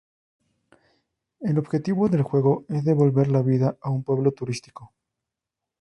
El objetivo del juego es devolver la vida a un pueblo turístico.